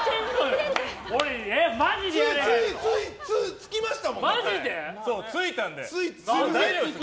着きましたもん！